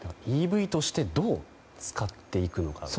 ＥＶとしてどう使っていくのか。